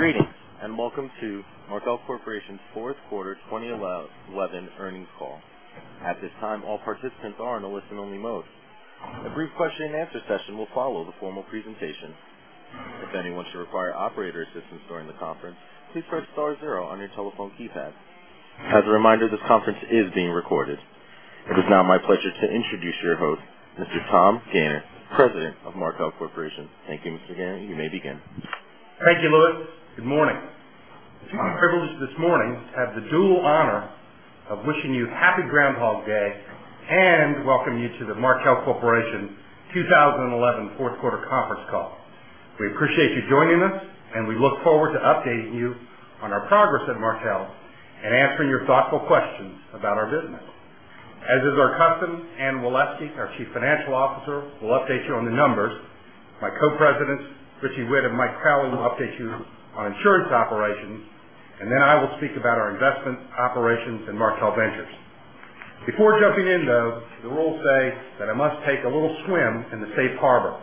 Greetings, and welcome to Markel Corporation's Fourth Quarter 2011 earnings call. At this time, all participants are on a listen-only mode. A brief question-and-answer session will follow the formal presentation. If anyone wants to require operator assistance during the conference, please press star zero on your telephone keypad. As a reminder, this conference is being recorded. It is now my pleasure to introduce your host, Mr. Tom Gayner, President of Markel Corporation. Thank you, Mr. Gayner. You may begin. Thank you, Lilith. Good morning. Privileged this morning to have the dual honor of wishing you happy Groundhog Day and welcoming you to the Markel Corporation 2011 Fourth Quarter conference call. We appreciate you joining us, and we look forward to updating you on our progress at Markel and answering your thoughtful questions about our business. As is our custom, Anne Waleski, our Chief Financial Officer, will update you on the numbers. My Co-Presidents, Richie Whitt and Mike Crowley, will update you on insurance operations, and then I will speak about our investment operations and Markel Ventures. Before jumping in, the rules say that I must take a little swim in the Safe Harbor,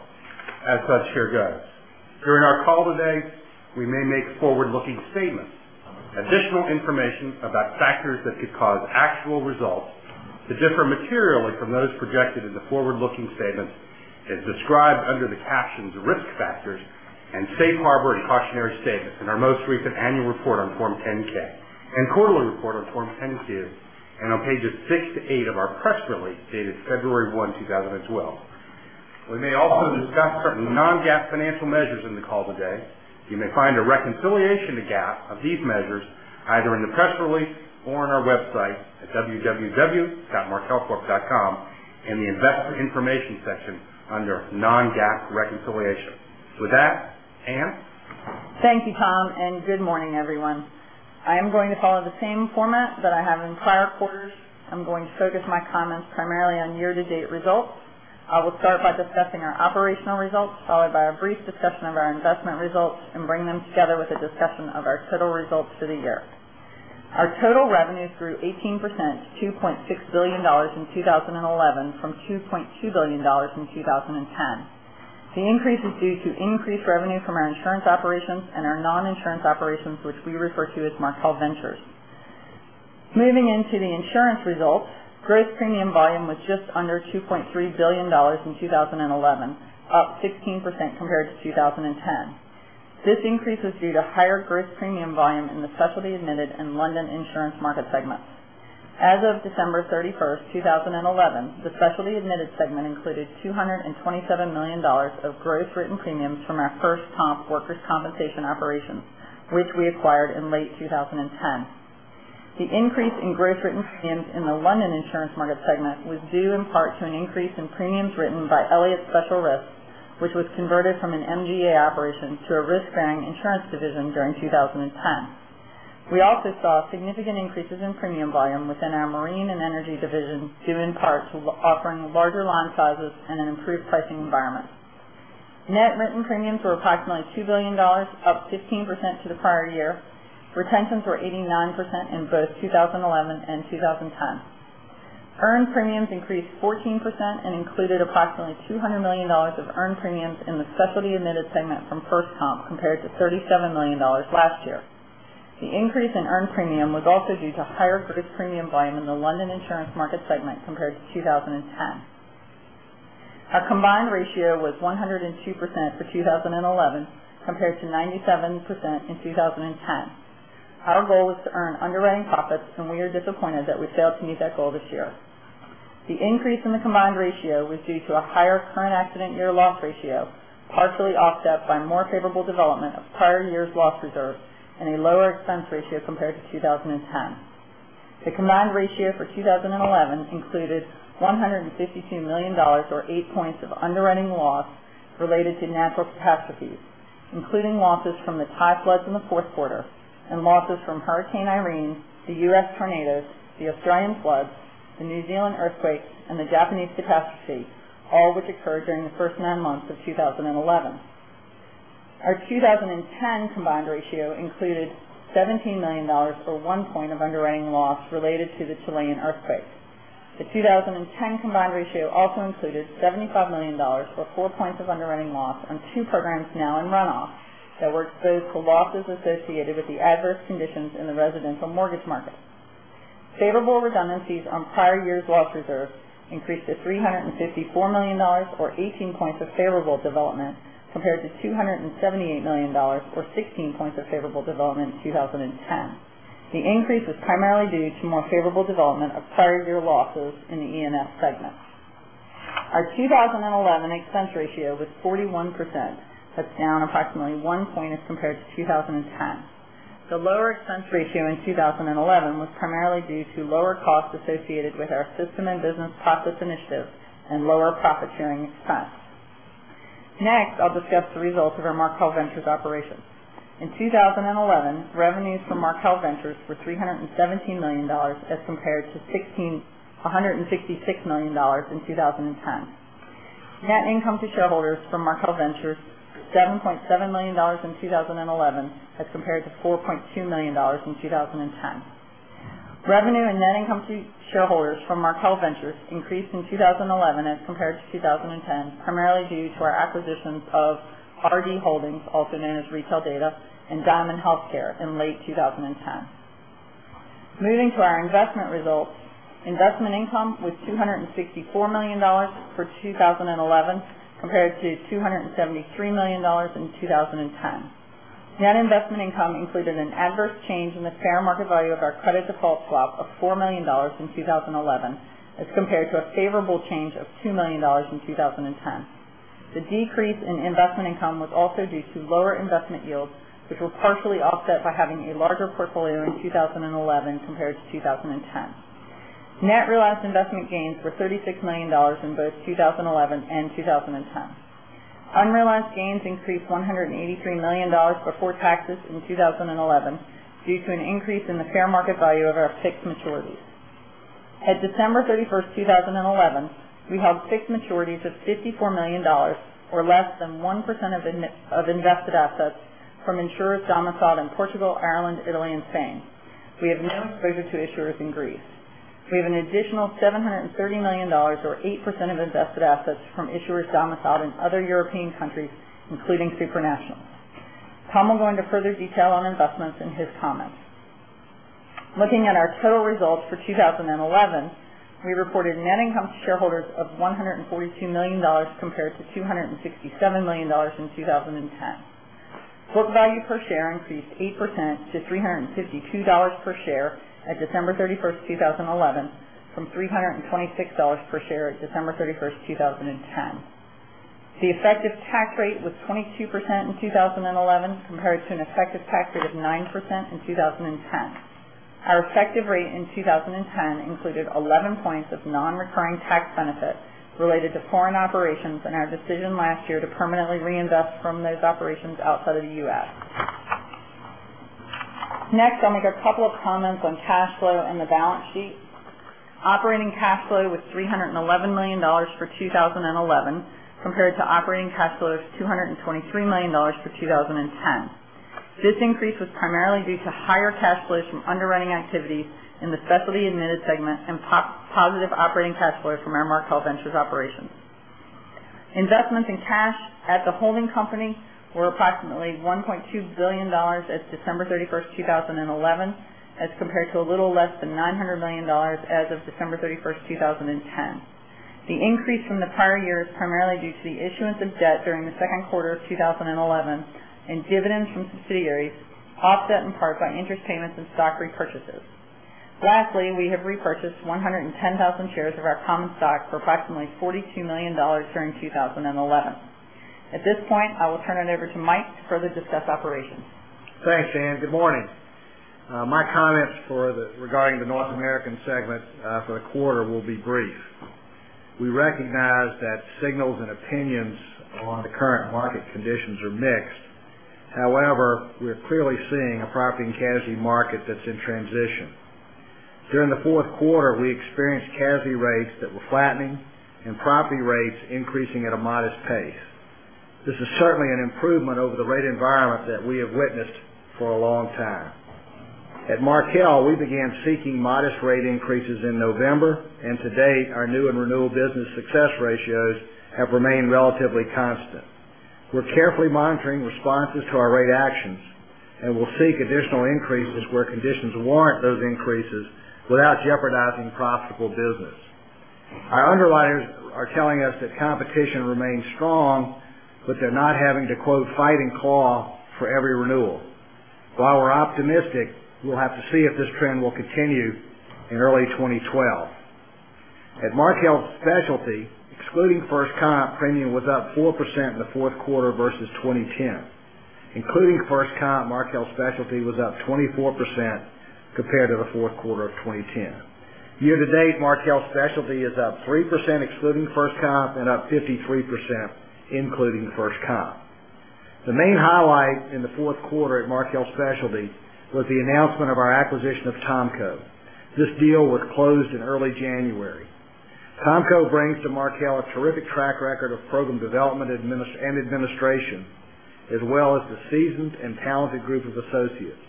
as much as here goes. During our call today, we may make forward-looking statements. Additional information about factors that could cause actual results to differ materially from those projected in the forward-looking statements is described under the captions "Risk Factors" and "Safe Harbor" and "Cautionary Statements" in our most recent annual report on Form 10-K, and quarterly report on Form 10-Q, and on pages 6-8 of our Press Release dated February 1, 2012. We may also discuss some non-GAAP financial measures in the call today. You may find a reconciliation to GAAP of these measures either in the Press Release or on our website at www.markelcorp.com in the Investor Information section under non-GAAP reconciliation. With that, Anne? Thank you, Tom, and good morning, everyone. I am going to follow the same format that I have in prior quarters. I'm going to focus my comments primarily on year-to-date results. I will start by discussing our operational results, followed by a brief discussion of our investment results, and bring them together with a discussion of our total results for the year. Our total revenues grew 18% to $2.6 billion in 2011 from $2.2 billion in 2010. The increase is due to increased revenue from our insurance operations and our non-insurance operations, which we refer to as Markel Ventures. Moving into the insurance results, gross premium volume was just under $2.3 billion in 2011, up 16% compared to 2010. This increase was due to higher gross premium volume in the specialty-admitted and London insurance market segments. As of December 31st, 2011, the specialty-admitted segment included $227 million of gross written premiums from our FirstComp workers' compensation operations, which we acquired in late 2010. The increase in gross written premiums in the London insurance market segment was due in part to an increase in premiums written by Elliott Special Risks, which was converted from an MGA operation to a risk-bearing insurance division during 2010. We also saw significant increases in premium volume within our Marine and Energy division, due in part to offering larger line sizes and an improved pricing environment. Net written premiums were approximately $2 billion, up 15% to the prior year. Retentions were 89% in both 2011 and 2010. Earned premiums increased 14% and included approximately $200 million of earned premiums in the specialty-admitted segment from FirstComp, compared to $37 million last year. The increase in earned premium was also due to higher gross premium volume in the London insurance market segment compared to 2010. Our combined ratio was 102% for 2011 compared to 97% in 2010. Our goal was to earn underwriting profits, and we are disappointed that we failed to meet that goal this year. The increase in the combined ratio was due to a higher current accident year loss ratio, partially offset by more favorable development of prior year's loss reserve and a lower expense ratio compared to 2010. The combined ratio for 2011 included $152 million, or 8 points, of underwriting loss related to natural catastrophes, including losses from the Thai floods in the fourth quarter and losses from Hurricane Irene, the U.S. tornadoes, the Australian floods, the New Zealand earthquakes, and the Japanese catastrophe, all of which occurred during the first nine months of 2011. Our 2010 combined ratio included $17 million, or 1 point of underwriting loss related to the Chilean earthquakes. The 2010 combined ratio also included $75 million, or 4 points of underwriting loss, on two programs now in runoff that were exposed to losses associated with the adverse conditions in the residential mortgage market. Favorable redundancies on prior year's loss reserve increased to $354 million, or 18 points of favorable development, compared to $278 million, or 16 points of favorable development in 2010. The increase was primarily due to more favorable development of prior-year losses in the E&S segment. Our 2011 expense ratio was 41%, but down approximately 1 point as compared to 2010. The lower expense ratio in 2011 was primarily due to lower costs associated with our System and Business process initiative and lower profit-sharing costs. Next, I'll discuss the results of our Markel Ventures operation. In 2011, revenues from Markel Ventures were $317 million as compared to $166 million in 2010. Net income to shareholders from Markel Ventures, $7.7 million in 2011 as compared to $4.2 million in 2010. Revenue and net income to shareholders from Markel Ventures increased in 2011 as compared to 2010, primarily due to our acquisitions of RD Holdings, also known as Retail Data, and Diamond Healthcare in late 2010. Moving to our investment results, investment income was $264 million for 2011 compared to $273 million in 2010. Net investment income included an adverse change in the fair market value of our credit default swap of $4 million in 2011 as compared to a favorable change of $2 million in 2010. The decrease in investment income was also due to lower investment yields, which were partially offset by having a larger portfolio in 2011 compared to 2010. Net realized investment gains were $36 million in both 2011 and 2010. Unrealized gains increased $183 million before taxes in 2011 due to an increase in the fair market value of our fixed maturities. At December 31st, 2011, we held fixed maturities of $54 million, or less than 1% of invested assets from insurers domiciled in Portugal, Ireland, Italy, and Spain. We have no exposure to issuers in Greece. We have an additional $730 million, or 8% of invested assets from issuers domiciled in other European countries, including supranationals. Tom will go into further detail on investments in his comments. Looking at our total results for 2011, we reported net income to shareholders of $142 million compared to $267 million in 2010. Book value per share increased 8% to $352 per share at December 31st, 2011, from $326 per share at December 31st, 2010. The effective tax rate was 22% in 2011 compared to an effective tax rate of 9% in 2010. Our effective rate in 2010 included 11 points of non-recurring tax benefit related to foreign operations and our decision last year to permanently reinvest from those operations outside of the U.S. Next, I'll make a couple of comments on cash flow and the balance sheet. Operating cash flow was $311 million for 2011 compared to operating cash flow of $223 million for 2010. This increase was primarily due to higher cash flows from underwriting activities in the specialty-admitted segment and positive operating cash flow from our Markel Ventures operations. Investments in cash at the holding company were approximately $1.2 billion as of December 31st, 2011, as compared to a little less than $900 million as of December 31st, 2010. The increase from the prior year is primarily due to the issuance of debt during the second quarter of 2011 and dividends from subsidiaries, offset in part by interest payments and stock repurchases. Lastly, we have repurchased 110,000 shares of our common stock for approximately $42 million during 2011. At this point, I will turn it over to Mike to further discuss operations. Thanks, Anne. Good morning. My comments regarding the North American segment for the quarter will be brief. We recognize that signals and opinions on the current market conditions are mixed. However, we are clearly seeing a property and casualty market that's in transition. During the fourth quarter, we experienced casualty rates that were flattening and property rates increasing at a modest pace. This is certainly an improvement over the rate environment that we have witnessed for a long time. At Markel Group, we began seeking modest rate increases in November, and to date, our new and renewal business success ratios have remained relatively constant. We're carefully monitoring responses to our rate actions and will seek additional increases where conditions warrant those increases without jeopardizing profitable business. Our underwriters are telling us that competition remains strong, but they're not having to "fight and claw" for every renewal. While we're optimistic, we'll have to see if this trend will continue in early 2012. At Markel Specialty, excluding FirstComp, premium was up 4% in the fourth quarter versus 2010. Including FirstComp, Markel Specialty was up 24% compared to the fourth quarter of 2010. Year-to-date, Markel Specialty is up 3% excluding FirstComp and up 53% including FirstComp. The main highlight in the fourth quarter at Markel Specialty was the announcement of our acquisition of THOMCO. This deal was closed in early January. THOMCO brings to Markel a terrific track record of program development and administration, as well as a seasoned and talented group of associates.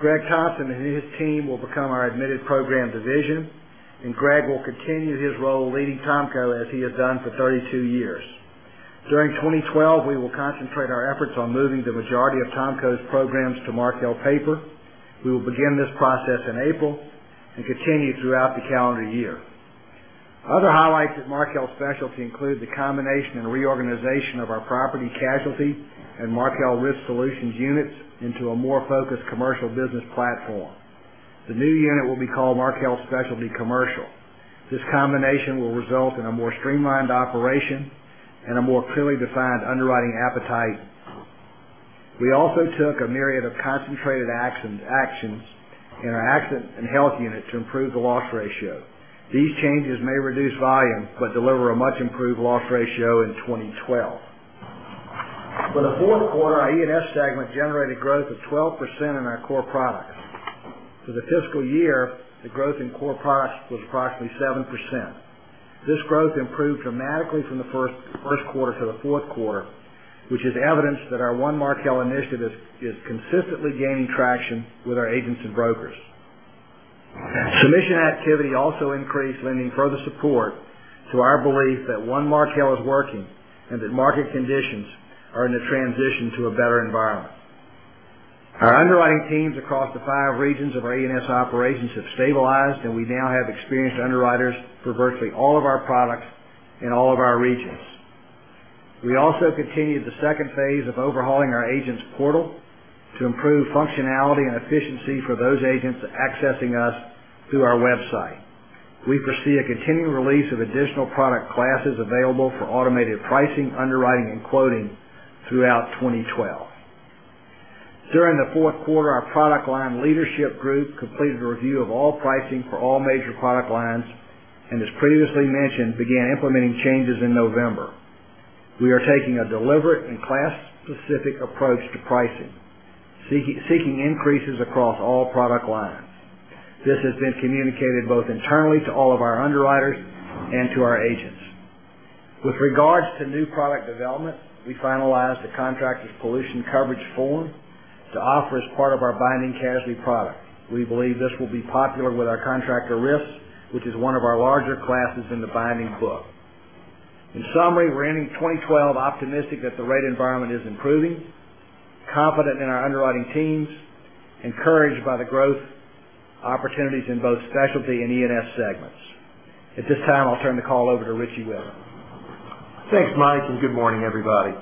Greg Thompson and his team will become our admitted program division, and Greg will continue his role leading THOMCO as he has done for 32 years. During 2012, we will concentrate our efforts on moving the majority of THOMCO's programs to Markel Paper. We will begin this process in April and continue throughout the calendar year. Other highlights at Markel Specialty include the combination and reorganization of our property and casualty and Markel Risk Solutions units into a more focused commercial business platform. The new unit will be called Markel Specialty Commercial. This combination will result in a more streamlined operation and a more clearly defined underwriting appetite. We also took a myriad of concentrated actions in our accident and health unit to improve the loss ratio. These changes may reduce volume but deliver a much improved loss ratio in 2012. For the fourth quarter, our E&S segment generated growth of 12% in our core product. For the fiscal year, the growth in core products was approximately 7%. This growth improved dramatically from the first quarter to the fourth quarter, which is evidence that our One Markel initiative is consistently gaining traction with our agents and brokers. Submission activity also increased, lending further support to our belief that One Markel is working and that market conditions are in a transition to a better environment. Our underwriting teams across the five regions of our E&S operations have stabilized, and we now have experienced underwriters for virtually all of our products in all of our regions. We also continued the second phase of overhauling our agents' portal to improve functionality and efficiency for those agents accessing us through our website. We foresee a continued release of additional product classes available for automated pricing, underwriting, and quoting throughout 2012. During the fourth quarter, our product line leadership group completed a review of all pricing for all major product lines and, as previously mentioned, began implementing changes in November. We are taking a deliberate and class-specific approach to pricing, seeking increases across all product lines. This has been communicated both internally to all of our underwriters and to our agents. With regards to new product developments, we finalized a contractor's pollution coverage form to offer as part of our binding casualty product. We believe this will be popular with our contractor RIF, which is one of our larger classes in the binding book. In summary, we're ending 2012 optimistic that the rate environment is improving, confident in our underwriting teams, and encouraged by the growth opportunities in both specialty and E&S segments. At this time, I'll turn the call over to Richie Whitt. Thanks, Mike, and good morning, everybody.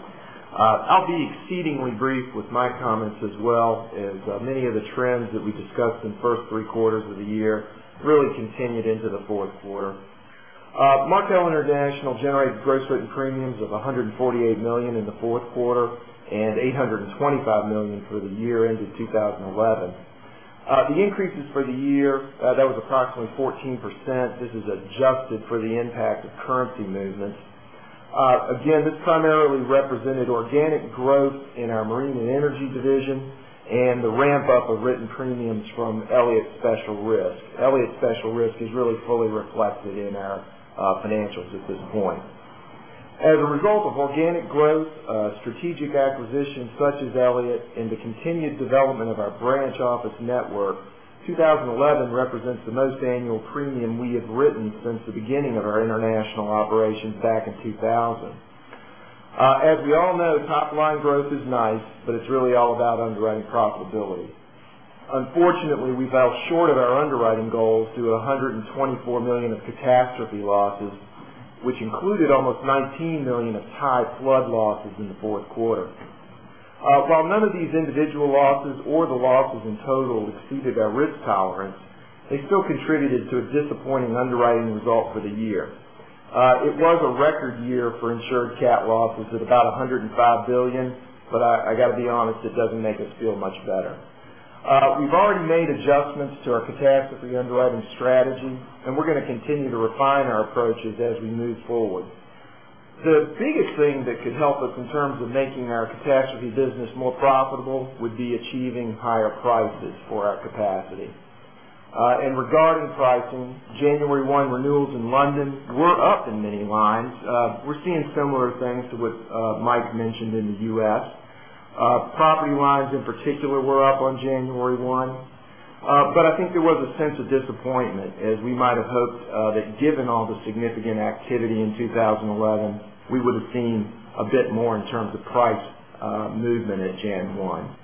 I'll be exceedingly brief with my comments as many of the trends that we discussed in the first three quarters of the year really continued into the fourth quarter. Markel International generated gross written premiums of $148 million in the fourth quarter and $825 million for the year ended 2011. The increases for the year were approximately 14%. This is adjusted for the impact of currency movements. Again, this primarily represented organic growth in our Marine and Energy division and the ramp-up of written premiums from Elliott Special Risk. Elliott Special Risk is really fully reflected in our financials at this point. As a result of organic growth, strategic acquisitions such as Elliott, and the continued development of our branch office network, 2011 represents the most annual premium we have written since the beginning of our international operations back in 2000. As we all know, top-line growth is nice, but it's really all about underwriting profitability. Unfortunately, we fell short of our underwriting goals due to $124 million of catastrophe losses, which included almost $19 million of Thai flood losses in the fourth quarter. While none of these individual losses or the losses in total exceeded our risk tolerance, they still contributed to a disappointing underwriting result for the year. It was a record year for insured CAT losses at about $105 billion, but I got to be honest, it doesn't make us feel much better. We've already made adjustments to our catastrophe underwriting strategy, and we're going to continue to refine our approaches as we move forward. The biggest thing that could help us in terms of making our catastrophe business more profitable would be achieving higher prices for our capacity. Regarding pricing, January 1 renewals in London were up in many lines. We're seeing similar things to what Mike mentioned in the U.S. Property lines, in particular, were up on January 1. I think there was a sense of disappointment, as we might have hoped, that given all the significant activity in 2011, we would have seen a bit more in terms of price movement at January 1.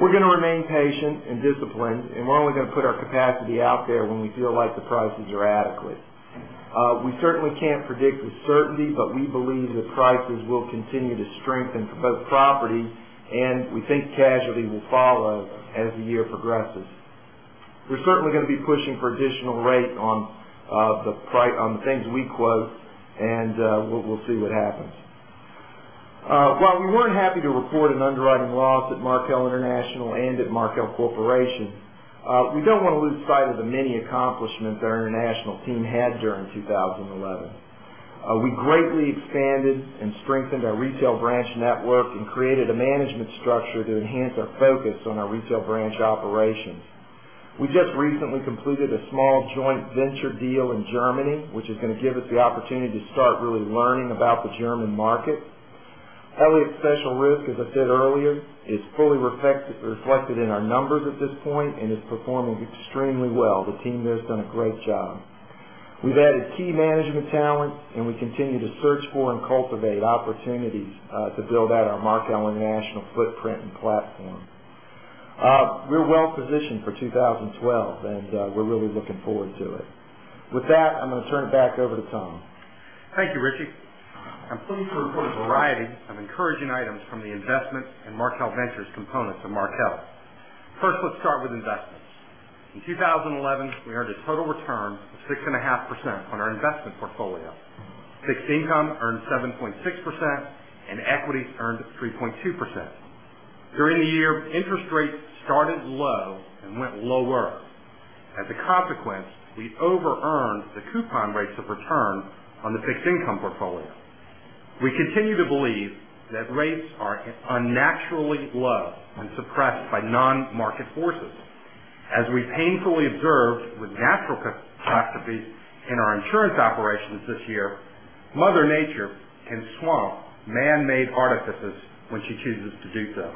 We're going to remain patient and disciplined, and we're only going to put our capacity out there when we feel like the prices are adequate. We certainly can't predict with certainty, but we believe that prices will continue to strengthen for both property, and we think casualty will follow as the year progresses. We're certainly going to be pushing for additional rate on the things we quote, and we'll see what happens. While we weren't happy to report an underwriting loss at Markel International and at Markel Corporation, we don't want to lose sight of the many accomplishments our international team had during 2011. We greatly expanded and strengthened our retail branch network and created a management structure to enhance our focus on our retail branch operations. We just recently concluded a small joint venture deal in Germany, which is going to give us the opportunity to start really learning about the German market. Elliott Special Risk, as I said earlier, is fully reflected in our numbers at this point and is performing extremely well. The team there has done a great job. We've added key management talent, and we continue to search for and cultivate opportunities to build out our Markel International footprint and platform. We're well positioned for 2012, and we're really looking forward to it. With that, I'm going to turn it back over to Tom. Thank you, Richie. I'm pleased to report a variety of encouraging items from the investments and Markel Ventures components of Markel. First, let's start with investments. In 2011, we earned a total return of 6.5% on our investment portfolio. Fixed income earned 7.6%, and equities earned 3.2%. During the year, interest rates started low and went lower. As a consequence, we've over-earned the coupon rates of return on the fixed income portfolio. We continue to believe that rates are unnaturally low and suppressed by non-market forces. As we painfully observed with natural catastrophes in our insurance operations this year, Mother Nature can swamp man-made artifices when she chooses to do so.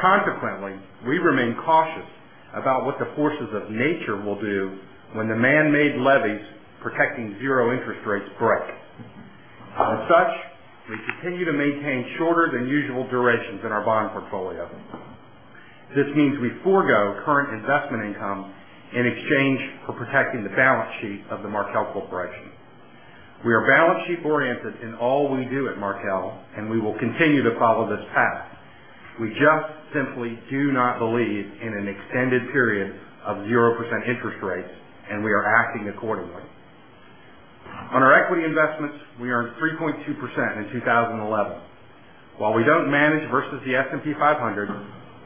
Consequently, we remain cautious about what the forces of nature will do when the man-made levees protecting zero interest rates break. As such, we continue to maintain shorter than usual durations in our bond portfolio. This means we forego current investment income in exchange for protecting the balance sheet of the Markel Corporation. We are balance sheet-oriented in all we do at Markel, and we will continue to follow this path. We just simply do not believe in an extended period of 0% interest rates, and we are acting accordingly. On our equity investments, we earned 3.2% in 2011. While we don't manage versus the S&P 500,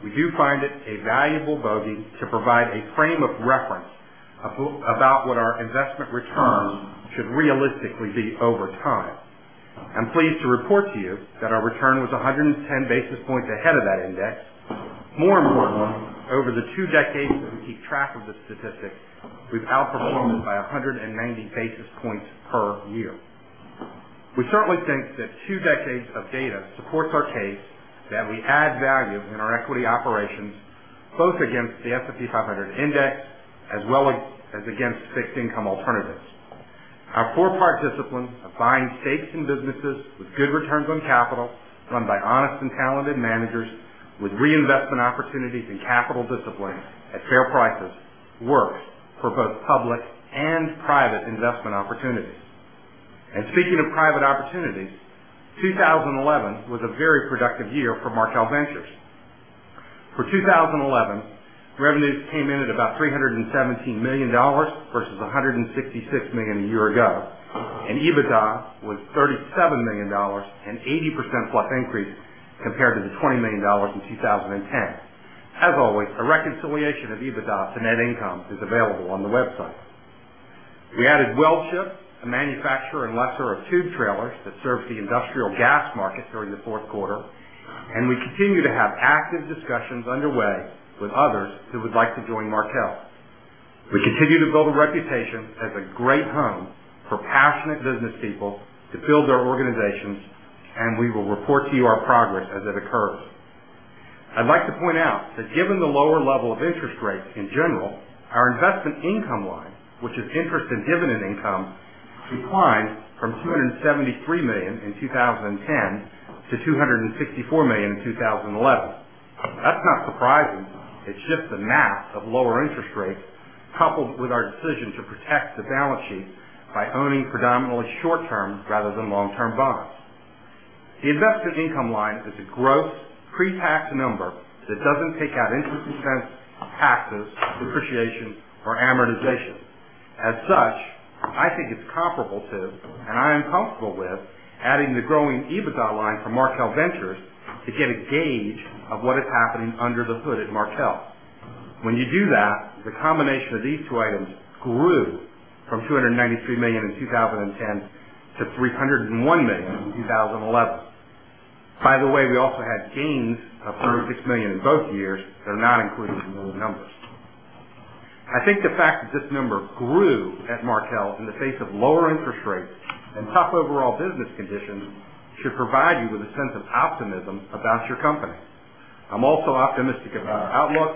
we do find it a valuable bogey to provide a frame of reference about what our investment returns should realistically be over time. I'm pleased to report to you that our return was 110 basis points ahead of that index. More importantly, over the two decades that we keep track of the statistics, we've outperformed by 190 basis points per year. We certainly think that two decades of data supports our case that we add value in our equity operations both against the S&P 500 index as well as against fixed income alternatives. Our four-part discipline of buying stakes in businesses with good returns on capital run by honest and talented managers with reinvestment opportunities and capital discipline at fair prices works for both public and private investment opportunities. Speaking of private opportunities, 2011 was a very productive year for Markel Ventures. For 2011, revenues came in at about $317 million versus $166 million a year ago, and EBITDA was $37 million, an 80%+ increase compared to the $20 million in 2010. As always, a reconciliation of EBITDA to net income is available on the website. We added Welch Ship, a manufacturer and lessor of tube trailers that serves the industrial gas market during the fourth quarter, and we continue to have active discussions underway with others who would like to join Markel. We continue to build a reputation as a great home for passionate business people to build their organizations, and we will report to you our progress as it occurs. I'd like to point out that given the lower level of interest rates in general, our investment income line, which is interest and dividend income, declined from $273 million in 2010 to $264 million in 2011. That's not surprising. It's just the math of lower interest rates coupled with our decision to protect the balance sheet by owning predominantly short-term rather than long-term bonds. The investment income line is a gross pre-tax number that doesn't take out interest income, taxes, depreciation, or amortization. As such, I think it's comparable to, and I am comfortable with, adding the growing EBITDA line from Markel Ventures to get a gauge of what is happening under the hood at Markel. When you do that, the combination of these two items grew from $293 million in 2010 to $301 million in 2011. By the way, we also had gains of $306 million in both years. They're not included in those numbers. I think the fact that this number grew at Markel in the face of lower interest rates and tough overall business conditions should provide you with a sense of optimism about your company. I'm also optimistic about our outlook,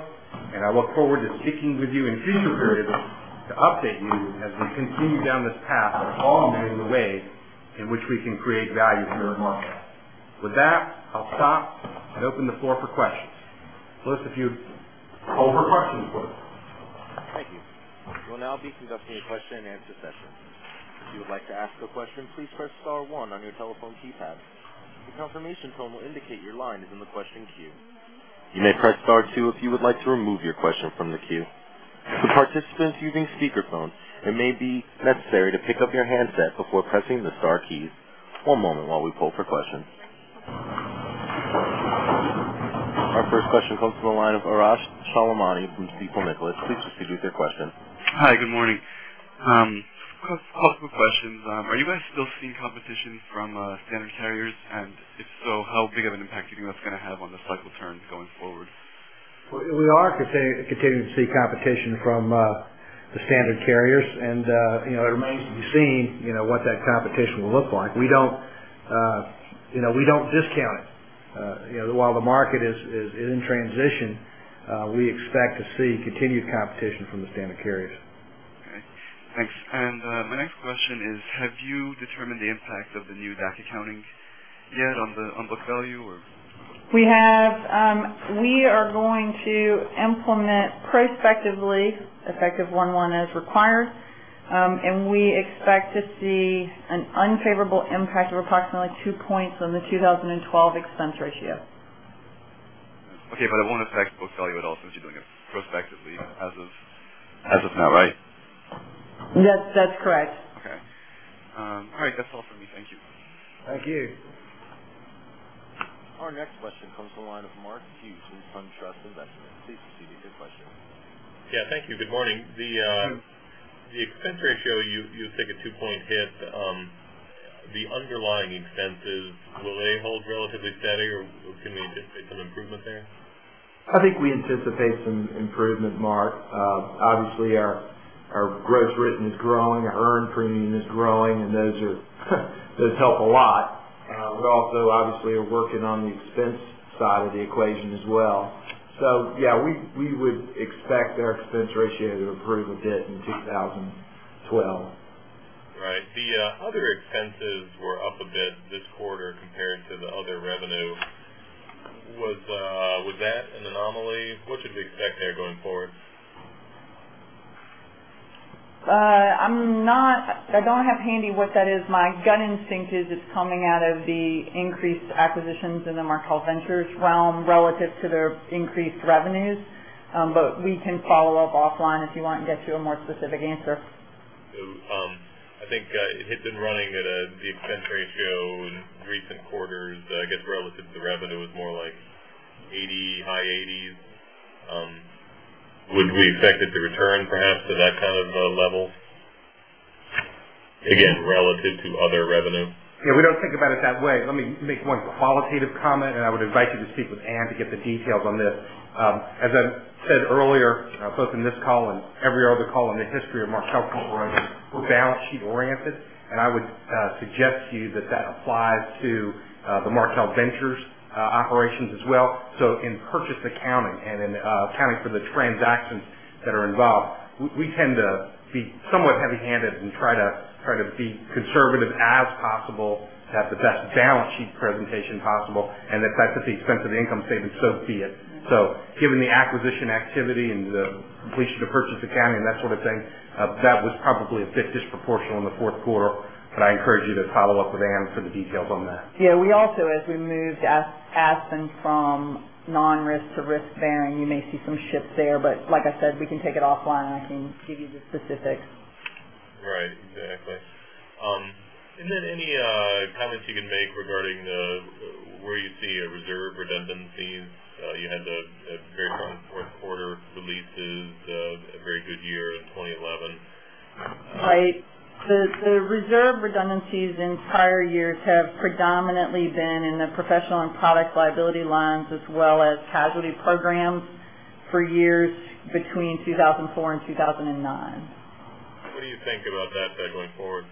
and I look forward to speaking with you in the future period to update you as we continue down this path and all the ways in which we can create value in the market. With that, I'll stop and open the floor for questions. Closed if you... Thank you. We'll now be conducting a question-and-answer session. If you would like to ask a question, please press star one on your telephone keypad. The confirmation tone will indicate your line is in the question queue. You may press star two if you would like to remove your question from the queue. For participants using speakerphones, it may be necessary to pick up your handset before pressing the star key. One moment while we poll for questions. Our first question comes from the line of Arash Soleimani from Stifel Nicolaus. Please proceed with your question. Hi, good morning. I have a couple of questions. Are you guys still seeing competition from standard carriers? If so, how big of an impact do you think that's going to have on the cycle of terms going forward? We are continuing to see competition from the standard carriers, and it remains to be seen what that competition will look like. We don't discount it. While the market is in transition, we expect to see continued competition from the standard carriers. Okay, thanks. My next question is, have you determined the impact of the new DAC accounting yet on the book value? We are going to implement prospectively effective 1/1 as required, and we expect to see an unfavorable impact of approximately two points on the 2012 expense ratio. Okay, it won't affect book value at all since you're doing it prospectively as of now, right? That's correct. Okay. All right, that's all for me. Thank you. Thank you. Our next question comes from the line of [Mark Sy from SunTrust Investment]. Please proceed with your question. Thank you. Good morning. The expense ratio, you think a two-point hit, the underlying expenses, will they hold relatively steady? Or can they just take an improvement there? I think we anticipate some improvement, Mark. Obviously, our gross written is growing, our earned premium is growing, and those help a lot. We also are working on the expense side of the equation as well. Yeah, we would expect our expense ratio to improve a bit in 2012. Right. The other expenses were up a bit this quarter compared to the other revenues. Was that an anomaly? What should we expect there going forward? I don't have handy what that is. My gut instinct is it's coming out of the increased acquisitions in the Markel Ventures realm relative to their increased revenues. We can follow up offline if you want and get you a more specific answer. I think it had been running at the expense ratio in recent quarters, I guess relative to the revenue, it was more like 80, high 80s. Would we expect it to return, perhaps, to that kind of level? Again, relative to other revenues. Yeah, we don't think about it that way. Let me make one qualitative comment, and I would invite you to speak with Anne to get the details on this. As I said earlier, both in this call and every other call in the history of Markel Corporation, balance sheet-oriented. I would suggest to you that that applies to the Markel Ventures operations as well. In purchase accounting and in accounting for the transactions that are involved, we tend to be somewhat heavy-handed and try to be as conservative as possible at the balance sheet presentation possible, and if that's at the expense of the income savings, so be it. Given the acquisition activity and the completion of the purchase accounting and that sort of thing, that was probably a bit disproportional in the fourth quarter. I encourage you to follow up with Anne for the details on that. Yeah, as we moved out past and from non-risk to risk-bearing, you may see some shifts there. Like I said, we can take it offline. I can give you the specifics. Right, exactly. Any comments you can make regarding where you see a reserve redundancy? You had the very current fourth quarter, which was released as a very good year in 2011. Right. The reserve redundancies in prior years have predominantly been in the professional and product liability lines, as well as casualty programs for years between 2004 and 2009. What do you think about that going forward?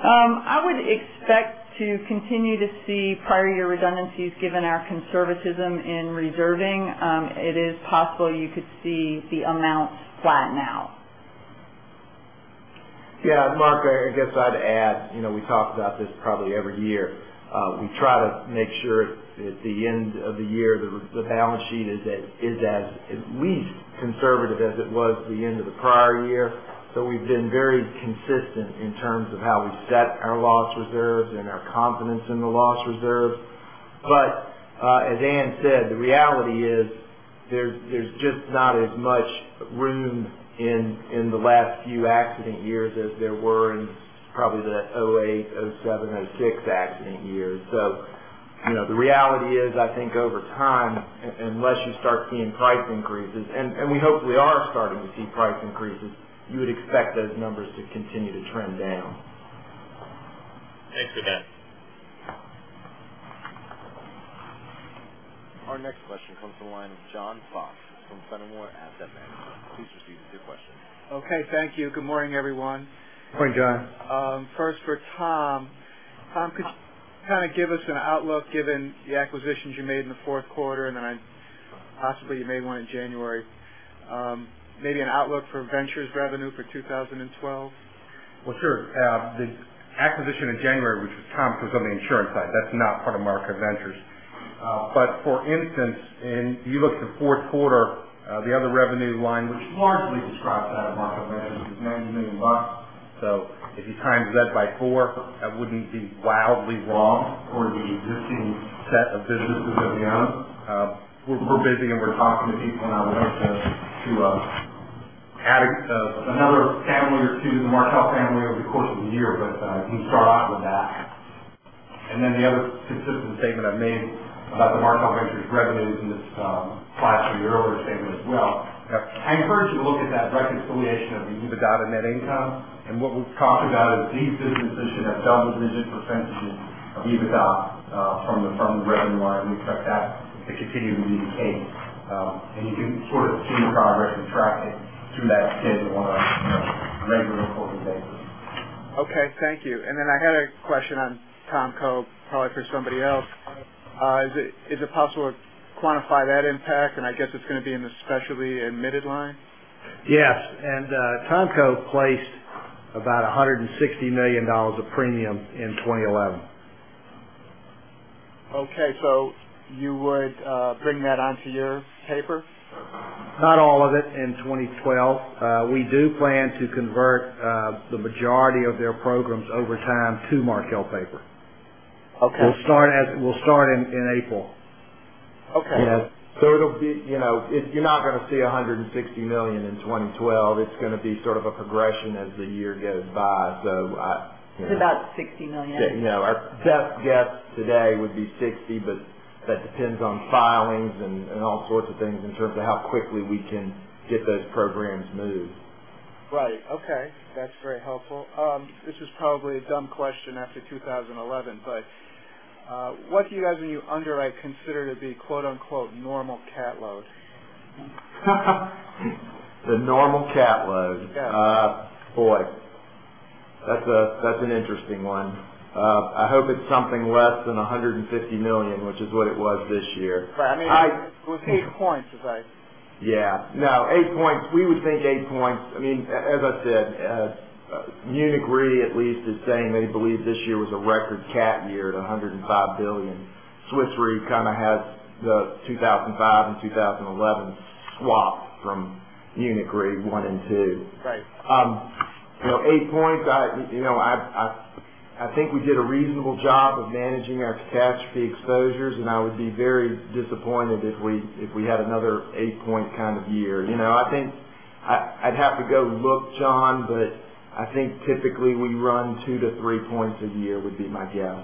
I would expect to continue to see prior year redundancies given our conservatism in reserving. It is possible you could see the amount flat now. Yeah, Mark, I guess I'd add, you know we talk about this probably every year. We try to make sure at the end of the year, the balance sheet is at least as conservative as it was at the end of the prior year. We've been very consistent in terms of how we set our loss reserves and our confidence in the loss reserves. As Anne said, the reality is there's just not as much room in the last few accident years as there were in probably the 2008, 2007, 2006 accident years. The reality is I think over time, unless you start seeing price increases, and we hopefully are starting to see price increases, you would expect those numbers to continue to trend down. Excellent. Our next question comes from a line of John Fox from Fenimore Asset Bank. Please proceed with your question. Okay, thank you. Good morning, everyone. Morning, John. First for Tom. Tom, could you kind of give us an outlook given the acquisitions you made in the fourth quarter and then possibly you made one in January? Maybe an outlook for Ventures revenue for 2012? The acquisition in January, which was THOMCO, was on the insurance side. That's not part of Markel Ventures. For instance, if you look at the fourth quarter, the other revenue line was largely described out of Markel Ventures, known to no one. If you times that by four, that wouldn't be wildly wrong for the existing set of businesses that we own. We're busy and we're talking to people, and I don't want it to be too low. Add another family or two to the Markel family over the course of the year, but be stronger than that. The other consistent statement I made about the Markel Ventures revenue in this slide from the earlier segment as well. I encourage you to look at that reconciliation of the EBITDA to net income and what was taught about a decentralization or double-digit percentages of EBITDA from the fund revenue line, which I've got to continue to be paid. You can sort of see the progress of tracking through that schedule line regularly for the bank. Okay, thank you. I had a question on THOMCO, probably for somebody else. Is it possible to quantify that impact? I guess it's going to be in the specialty-admitted line? Yes. THOMCO placed about $160 million of premium in 2011. Okay, you would bring that onto your Paper? Not all of it in 2012. We do plan to convert the majority of their programs over time to Markel Paper. Okay. will start in April. Okay. Yeah. You're not going to see $160 million in 2012. It's going to be sort of a progression as the year goes by. It's about $60 million. Our best guess today would be $60, but that depends on filings and all sorts of things in terms of how quickly we can get those programs moved. Right, okay. That's very helpful. This was probably a dumb question after 2011, but what do you guys, when you underwrite, consider to be "normal CAT load"? The normal CAT load, boy, that's an interesting one. I hope it's something less than $150 million, which is what it was this year. Right, I mean, it was 8 points, as I. Yeah, no, 8 points. We would think 8 points. I mean, as I said, Munich Re, at least, is saying they believe this year was a record CAT year at $105 billion. Swiss Re kind of has the 2005 and 2011 swap from Munich Re one and two. Right. You know, 8 points. I think we did a reasonable job of managing our catastrophe exposures, and I would be very disappointed if we had another 8-point kind of year. I think I'd have to go look, John, but I think typically we run 2-3 points a year would be my guess.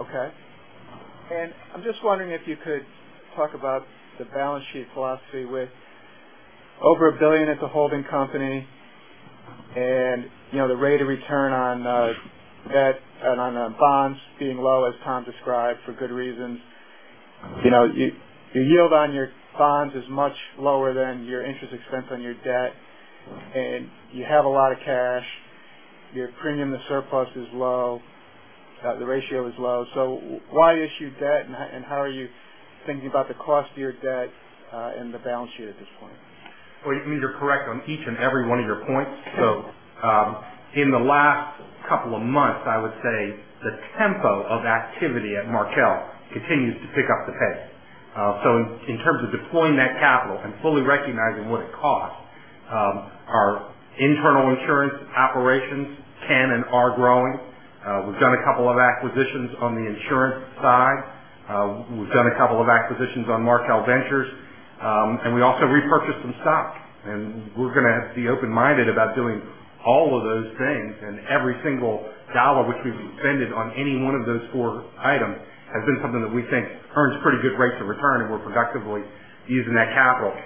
Okay. I'm just wondering if you could talk about the balance sheet philosophy with over $1 billion at the holding company, and the rate of return on debt and on bonds being low, as Tom described, for good reasons. Your yield on your bonds is much lower than your interest expense on your debt, and you have a lot of cash. Your premium to surplus is low. The ratio is low. Why issue debt, and how are you thinking about the cost of your debt in the balance sheet at this point? You are correct on each and every one of your points. In the last couple of months, I would say the tempo of activity at Markel Group continues to pick up the pace. In terms of deploying that capital and fully recognizing what it costs, our internal insurance operations can and are growing. We've done a couple of acquisitions on the insurance side, we've done a couple of acquisitions on Markel Ventures, and we also repurchased some stocks. We're going to have to be open-minded about doing all of those things, and every single dollar which is expended on any one of those four items has been something that we think earns pretty good rates of return, and we're productively using that capital.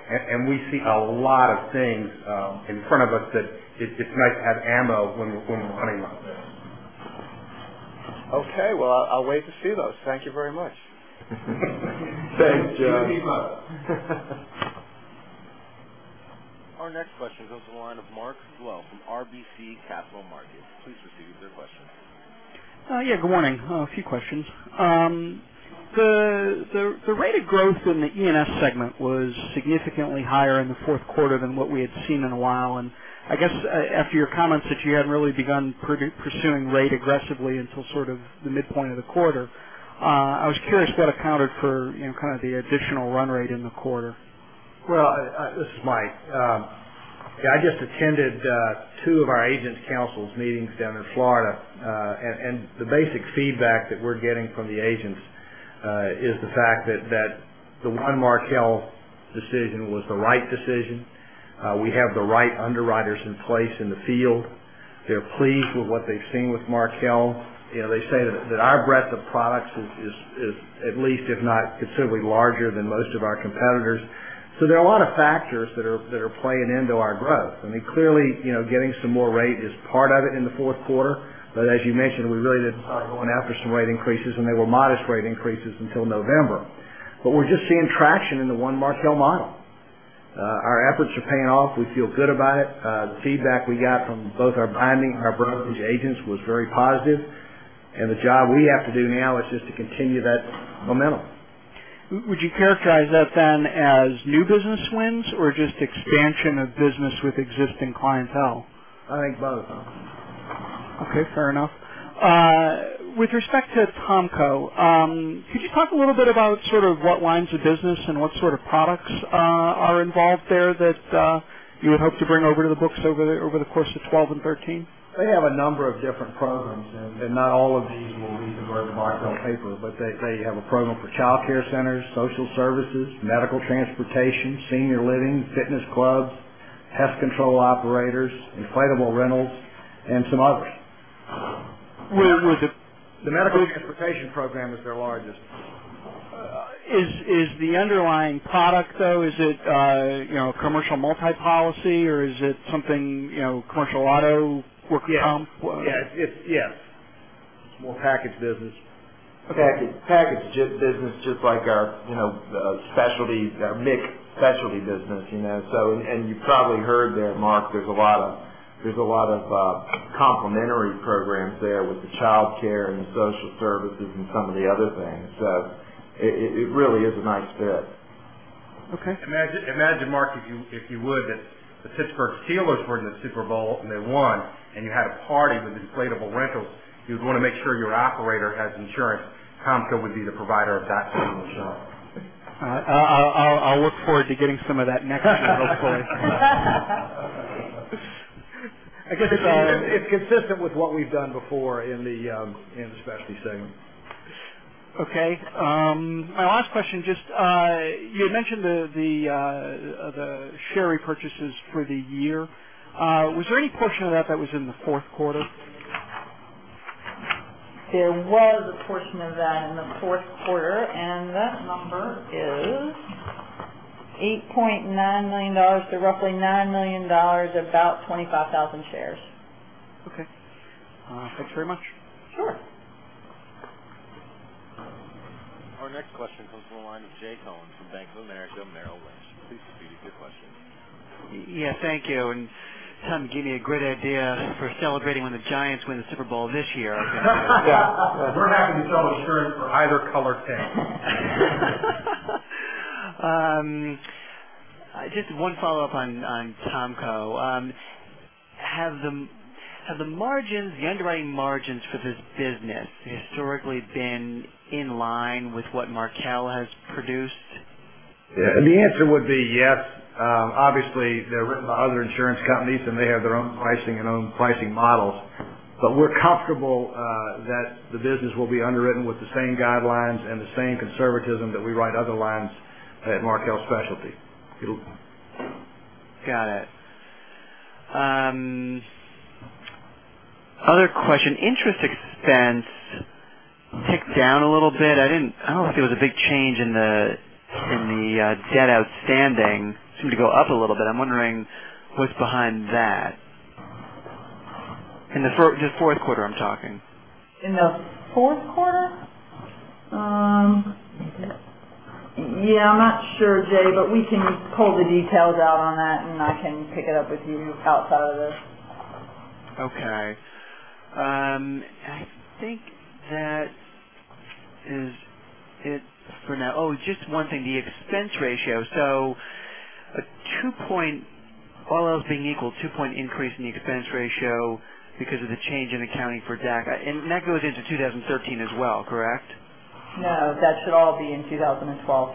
We see a lot of things in front of us that it's nice to have ammo when we're running like that. Okay, I'll wait to see those. Thank you very much. Thanks, John. Our next question goes to a line of Mark [Glove] from RBC Capital Markets. Please proceed with your question. Good morning. A few questions. The rate of growth in the E&S segment was significantly higher in the fourth quarter than what we had seen in a while. I guess after your comments that you hadn't really begun pursuing rate aggressively until sort of the midpoint of the quarter, I was curious if you had a counter for kind of the additional run rate in the quarter. This is Mike. I just attended two of our agents' council meetings down in Florida. The basic feedback that we're getting from the agents is the fact that the One Markel decision was the right decision. We have the right underwriters in place in the field. They're pleased with what they've seen with Markel. They say that our breadth of products is at least, if not considerably larger than most of our competitors. There are a lot of factors that are playing into our growth. Clearly, getting some more rate is part of it in the fourth quarter. As you mentioned, we really didn't start going out for some rate increases, and they were modest rate increases until November. We're just seeing traction in the one Markel model. Our efforts are paying off. We feel good about it. The feedback we got from both our binding and our brokerage agents was very positive. The job we have to do now is just to continue that momentum. Would you characterize that then as new business wins or just expansion of business with existing clientele? I think both of them. Okay, fair enough. With respect to THOMCO, could you talk a little bit about sort of what lines of business and what sort of products are involved there that you would hope to bring over to the books over the course of 2012 and 2013? They have a number of different programs, and not all of these will read the Markel Paper, but they have a program for childcare centers, social services, medical transportation, senior living, fitness clubs, pest control operators, inflatable rentals, and some others. Was it? The medical transportation program is their largest. Is the underlying product, though, is it a commercial multi-policy, or is it something commercial auto, working home? Yes, more packaged business. Okay. Packaged business, just like our specialty, our mixed specialty business. There are a lot of complementary programs there with the childcare and the social services and some of the other things. It really is a nice fit. Okay. Imagine, Mark, if you would, that the Pittsburgh Steelers were in the Super Bowl and they won, and you had a party with inflatable rentals, you'd want to make sure your operator has insurance. THOMCO would be the provider of that. I'll look forward to getting some of that next year, hopefully. I guess it's consistent with what we've done before in the specialty-admitted segment. Okay. My last question, just you had mentioned the share repurchases for the year. Was there any portion of that that was in the fourth quarter? There was a portion of that in the fourth quarter, and that number is $8.9 million to approximately $9 million, about 25,000 shares. Okay, thanks very much. Our next question comes from a line of Jay Collins from Bank of America Merrill Lynch. Please proceed with your question. Thank you. Tom, you gave me a great idea for celebrating when the Giants win the Super Bowl this year. Yeah. We're not going to sell the shirt for either Color 10. Just one follow-up on THOMCO. Have the margins, the underwriting margins for this business historically been in line with what Markel has produced? Yeah, the answer would be yes. Obviously, they're written by other insurance companies, and they have their own pricing and own pricing models. We're comfortable that the business will be underwritten with the same guidelines and the same conservatism that we write other lines at Markel Specialty. Got it. Other question, interest expense ticked down a little bit. I don't think there was a big change in the debt outstanding. It seemed to go up a little bit. I'm wondering what's behind that. In the fourth quarter, I'm talking. In the fourth quarter? I'm not sure, Jay, but we can pull the details out on that, and I can pick it up with you outside of this. Okay. I think that is it for now. Oh, just one thing, the expense ratio. A two-point, all else being equal, a two-point increase in the expense ratio because of the change in accounting for DAC. That goes into 2013 as well, correct? No, that should all be in 2012.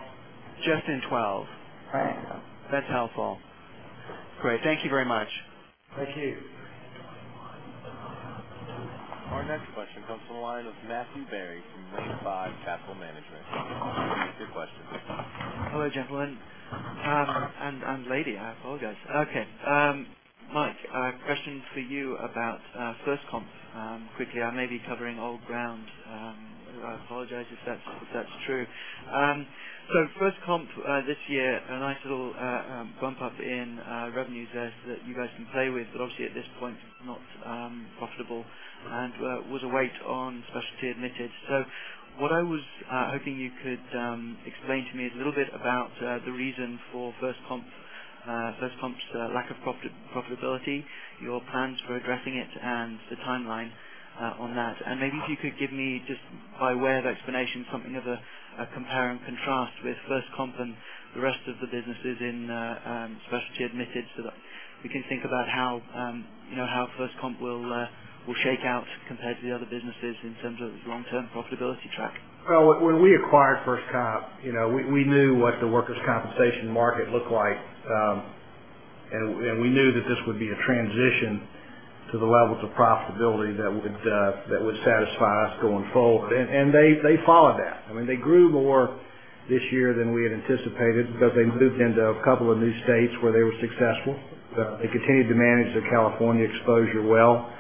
Just in 2012. Right. That's helpful. Great, thank you very much. Thank you. Our next question comes from a line of Matthew Berry from Lone Pine Capital Management. Please proceed with your question. Hello gentlemen, and lady. I apologize. Okay, Mark, a question for you about FirstComp. Quickly, I may be covering old ground. I apologize if that's true. FirstComp, this year, a nice little bump up in revenues there that you guys can play with, but obviously at this point, it's not profitable and was a weight on Specialty Admitted. What I was hoping you could explain to me is a little bit about the reason for FirstComp's lack of profitability, your plans for addressing it, and the timeline on that. Maybe if you could give me, just by way of explanation, something of a compare and contrast with FirstComp and the rest of the businesses in Specialty Admitted so that we can think about how FirstComp will shake out compared to the other businesses in terms of its long-term profitability track. When we acquired FirstComp, you know, we knew what the workers' compensation market looked like, and we knew that this would be a transition to the levels of profitability that would satisfy us going forward. They followed that. I mean, they grew more this year than we had anticipated, but they moved into a couple of new states where they were successful. They continued to manage their California exposure well.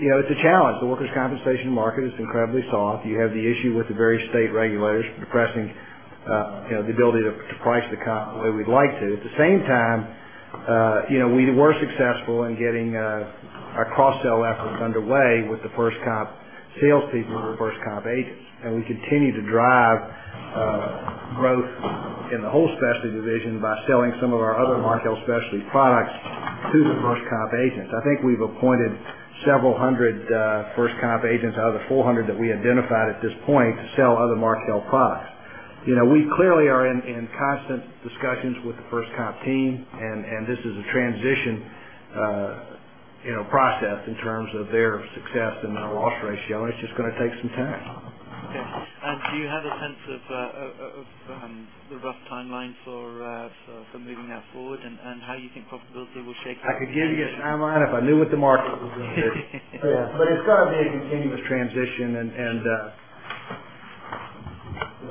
You know, it's a challenge. The workers' compensation market is incredibly soft. You have the issue with the various state regulators repressing, you know, the ability to price the comp the way we'd like to. At the same time, you know, we were successful in getting our cost sell efforts underway with the FirstComp salespeople, FirstComp agents. We continue to drive growth in the whole specialty division by selling some of our other Markel Specialty products to the FirstComp agents. I think we've appointed several hundred FirstComp agents out of the 400 that we identified at this point to sell other Markel products. You know, we clearly are in constant discussions with the FirstComp team, and this is a transition process in terms of their success and our loss ratio. It's just going to take some time. Do you have a sense of the rough timeline for moving that forward and how you think profitability will shape that? I could give you an outline if I knew what the market was going to do. It's going to be a continuous transition.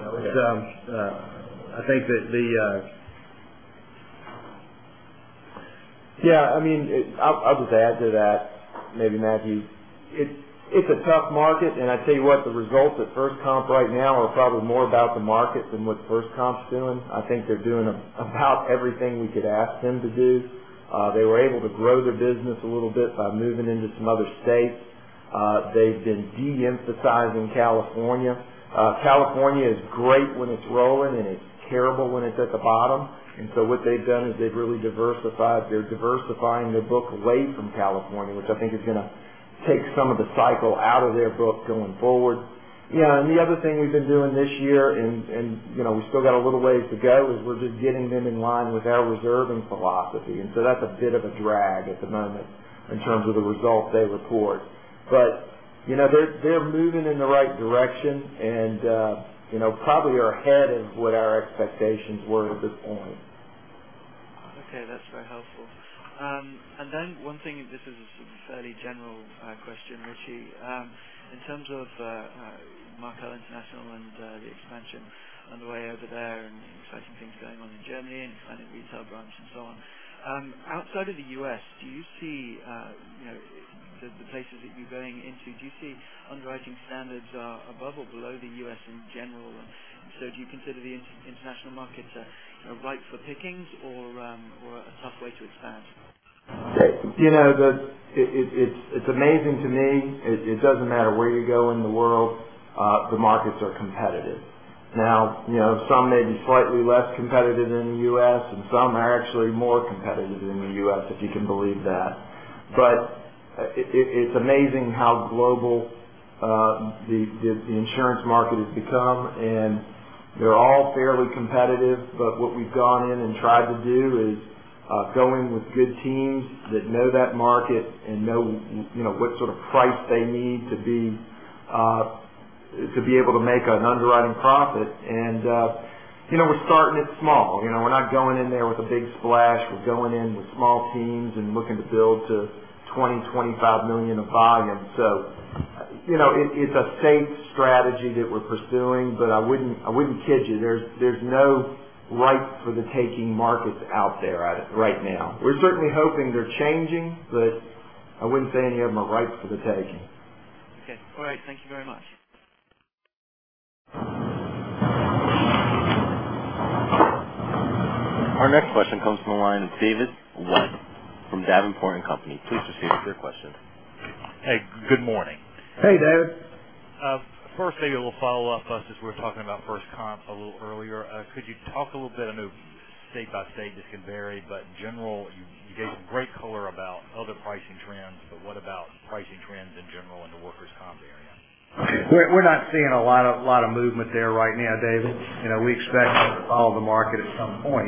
I think that, yeah, I'll just add to that, maybe Matthew. It's a tough market, and I tell you what, the results at FirstComp right now are probably more about the market than what FirstComp's doing. I think they're doing about everything we could ask them to do. They were able to grow their business a little bit by moving into some other states. They've been deemphasizing California. California is great when it's rolling, and it's terrible when it's at the bottom. What they've done is they've really diversified. They're diversifying their book away from California, which I think is going to shake some of the cycle out of their book going forward. The other thing we've been doing this year, and we've still got a little ways to go, is we're just getting them in line with our reserving philosophy. That's a bit of a drag at the moment in terms of the results they report. They're moving in the right direction and probably are ahead of what our expectations were at this point. Okay, that's very helpful. One thing, this is a fairly general question, Richie. In terms of Markel International and the expansion on the way over there and exciting things going on in Germany and you find a retail branch and so on. Outside of the U.S., do you see, you know, the places that you're going into, do you see underwriting standards are above or below the U.S. in general? Do you consider the international markets ripe for pickings or a tough way to expand? You know, it's amazing to me. It doesn't matter where you go in the world. The markets are competitive. Now, some may be slightly less competitive than the U.S., and some are actually more competitive than the U.S., if you can believe that. It's amazing how global the insurance market has become, and they're all fairly competitive. What we've gone in and tried to do is go in with good teams that know that market and know what sort of price they need to be able to make an underwriting profit. We're starting it small. We're not going in there with a big splash. We're going in with small teams and looking to build to $20 million, $25 million of volume. It's a safe strategy that we're pursuing, but I wouldn't kid you, there's no rights-for-the-taking markets out there right now. We're certainly hoping they're changing, but I wouldn't say any of them are rights-for-the-taking. Okay. All right, thank you very much. Our next question comes from the line of David from Davenport & Company. Please proceed with your question. Hey, good morning. Hey, Dave. First, maybe a little follow-up as we were talking about FirstComp a little earlier. Could you talk a little bit? I know state by state this can vary, but in general, you gave great color about other pricing trends, but what about pricing trends in general in the workers' comp area? We're not seeing a lot of movement there right now, Dave. We expect all the market at some point,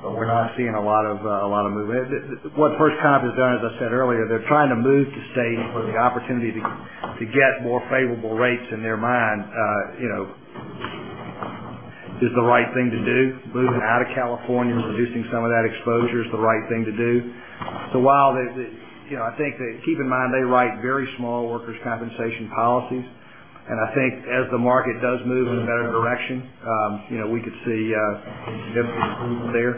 but we're not seeing a lot of movement. What FirstComp has done, as I said earlier, they're trying to move to states with the opportunity to get more favorable rates in their mind. Is the right thing to do? Moving out of California, reducing some of that exposure is the right thing to do. I think that keep in mind they write very small workers' compensation policies, and I think as the market does move in a better direction, we could see them moving through there.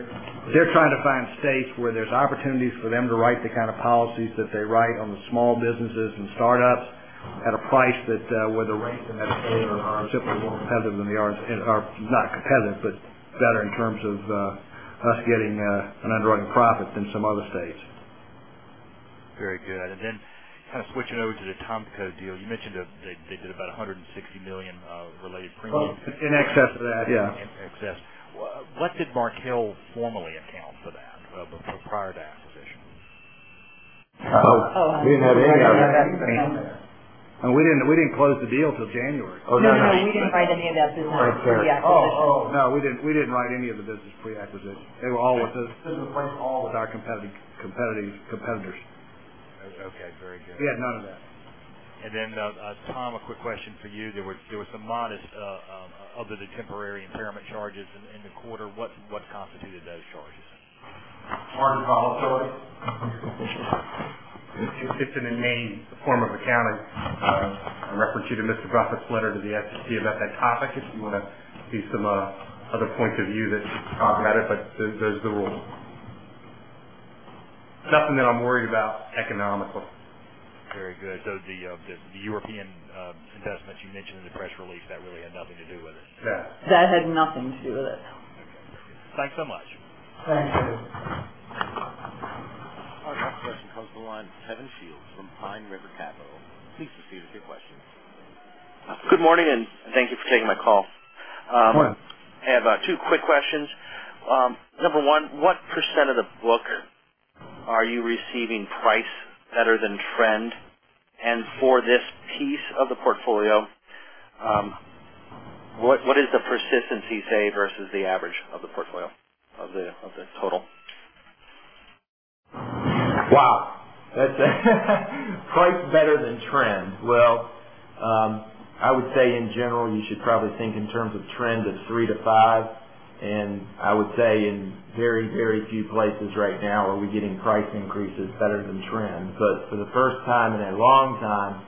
They're trying to find states where there's opportunities for them to write the kind of policies that they write on the small businesses and startups at a price that where the rates in that state are simply more competitive than they are, or not competitive, but better in terms of us getting an underwriting profit than some other states. Very good. Kind of switching over to the THOMCO deal, you mentioned that they did about $160 million related premium. In excess of that, yeah. In excess. What did Markel formally account for that prior to acquisition? Oh, you know, they didn't have anything out there. We didn't close the deal till January. Oh, no, no, no. No, we didn't write any of that business. No, we didn't write any of the business payouts. It was all with our competitors. Okay, very good. None of that. Tom, a quick question for you. There were some modest other than temporary impairment charges in the quarter. What’s constituted those charges? Part of volatility. For sure. It's in the name form of accounting. I reference you to Mr. Buffett's letter to the SEC about that topic if you want to see some other points of view, that's about it, but there's the rule. Nothing that I'm worried about economically. Very good. Though the European investment that you mentioned in the press release, that really had nothing to do with it. Yeah. That had nothing to do with it. Thanks so much. Very good. Our next question comes from a line of [Kevin Shields from Pine River Capital]. Please proceed with your questions. Good morning, and thank you for taking my call. Good morning. I have two quick questions. Number one, what percent of the book are you receiving price better than trend? For this piece of the portfolio, what is the persistency say versus the average of the portfolio of the total? That's a price better than trend. I would say in general, you should probably think in terms of trend of 3%-5%. I would say in very, very few places right now are we getting price increases better than trend. For the first time in a long time,